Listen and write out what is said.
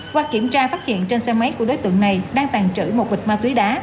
qua kiểm tra phát hiện trên xe máy của đối tượng này đang tàn trữ một bịch ma túy đá